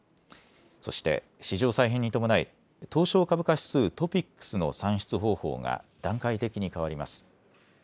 そして、市場再編に伴い東証株価指数トピックスの算出方法が段階的に変わります。